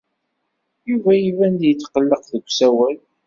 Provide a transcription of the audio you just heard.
Yuba iban-d yetqelleq deg usawal.